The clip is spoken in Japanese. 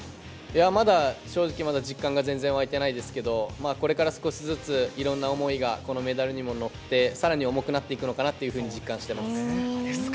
まだ正直、まだ実感が全然湧いてないですけど、これから少しずつ、いろんな思いがこのメダルにも乗って、さらに重くなっていくのかそうですか。